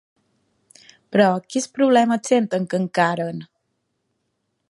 Però, quins problemes senten que encaren?